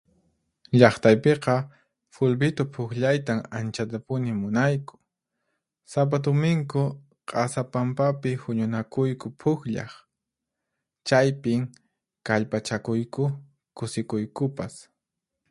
Llaqtaypiqa fulbitu puqllaytan anchatapuni munayku. Sapa tuminku q'asa pampapi huñunakuyku puqllaq, chaypin kallpachakuyku, kusikuykupas.